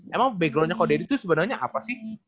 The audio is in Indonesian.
emang background nya ko deddy itu sebenarnya apa sih